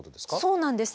そうなんです。